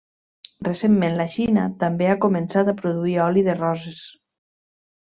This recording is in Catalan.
Recentment la Xina també ha començat a produir oli de roses.